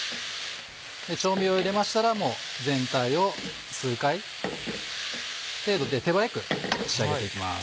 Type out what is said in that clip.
調味を入れましたら全体を数回程度で手早く仕上げて行きます。